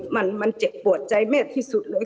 มันเจ็บปวดใจแม่ที่สุดเลย